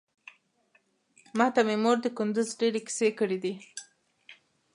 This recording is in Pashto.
ماته مې مور د کندوز ډېرې کيسې کړې دي.